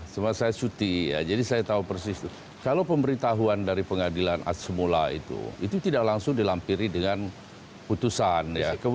cuma saya cuti ya jadi saya tahu persis itu kalau pemberitahuan dari pengadilan semula itu itu tidak langsung dilampiri dengan putusan